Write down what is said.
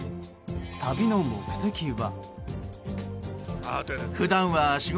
旅の目的は。